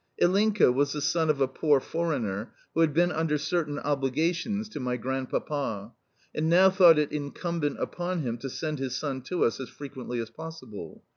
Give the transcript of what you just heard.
Ilinka was the son of a poor foreigner who had been under certain obligations to my Grandpapa, and now thought it incumbent upon him to send his son to us as frequently as possible.